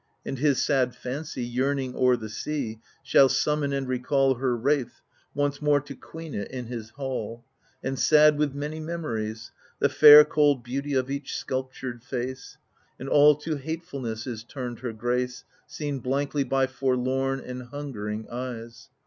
And his sad fancy, yearning o*er the sea, Shall summon and recall Her wraith, once more to queen it in his halL And sad with many memories. The fair cold beauty of each sculptured face — And all to hatefulness is turned their grace. Seen blankly by forlorn and hungering eyes